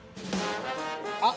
あっ！